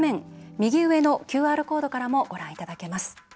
右上のＱＲコードからもご覧いただけます。